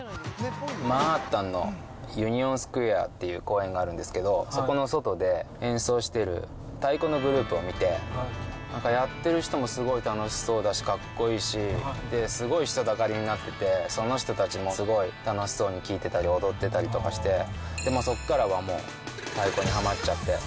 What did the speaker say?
マンハッタンのユニオンスクエアっていう公園があるんですけど、そこの外で演奏してる太鼓のグループを見て、なんか、やってる人もすごい楽しそうだし、かっこいいし、すごい人だかりになってて、その人たちもすごい楽しそうに聴いてたり、踊ってたりとかして、で、もうそこからは太鼓にはまっちゃって。